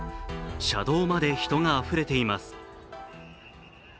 車道まで人があふれています。